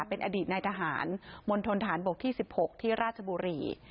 เป็นอดีตนายทหารมณฑนฐานบกที่๑๖ที่ราชบุรี